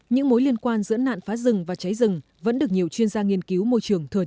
những mối liên quan giữa nạn phá rừng và cháy rừng vẫn được nhiều chuyên gia nghiên cứu môi trường thừa nhận